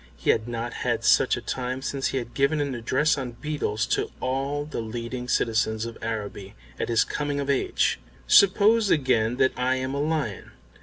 He had not had such a time since he had given an address on Beetles to all the leading citizens of Araby at his coming of age. "Suppose again that I am a lion.